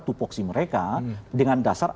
tupuksi mereka dengan dasar